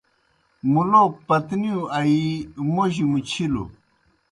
مُلوک پَتنِیؤ آیِی موجیْ مُچِھلوْ۔